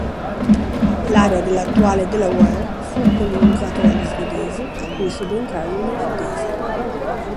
L'area dell'attuale Delaware fu colonizzata dagli svedesi a cui subentrarono gli olandesi.